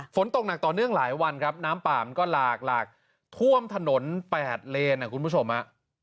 ฝนตกหนักต่อเนื่องหลายวันครับน้ำป่ามันก็หลากท่วมถนน๘เลนคุณผู้ชมฮะ